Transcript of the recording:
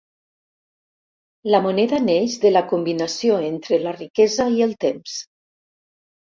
La moneda neix de la combinació entre la riquesa i el temps.